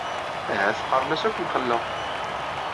Ahat qqaren-as akk mxelleɣ.